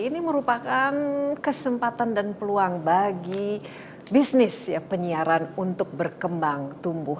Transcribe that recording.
ini merupakan kesempatan dan peluang bagi bisnis ya penyiaran untuk berkembang tumbuh